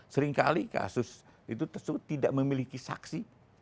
seringkali kasus itu tersebut tidak memiliki saksi